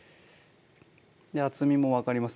厚みも分かります